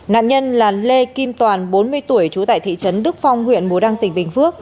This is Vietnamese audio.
nạn nhân là lê kim toàn bốn mươi tuổi trú tại thị trấn đức phong huyện bù đăng tỉnh bình phước